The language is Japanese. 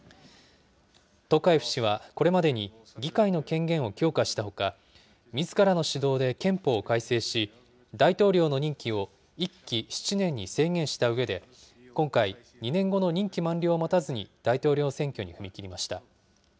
トカエフ氏はこれまでに議会の権限を強化したほか、みずからの主導で憲法を改正し、大統領の任期を１期７年に制限したうえで、今回、２年後の任期満了を待たずに大統領選挙に踏み切りました。